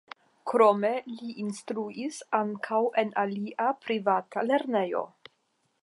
Krome li instruis ankaŭ en alia privata lernejo.